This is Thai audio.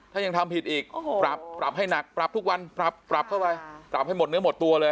ถ้ายังทำผิดอีกปรับปรับให้หนักปรับทุกวันปรับปรับเข้าไปปรับให้หมดเนื้อหมดตัวเลย